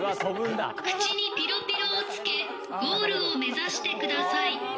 口にぴろぴろをつけ、ゴールを目指してください。